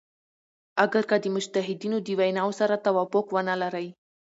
اګر که د مجتهدینو د ویناوو سره توافق ونه لری.